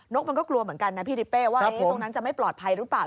กมันก็กลัวเหมือนกันนะพี่ทิเป้ว่าตรงนั้นจะไม่ปลอดภัยหรือเปล่า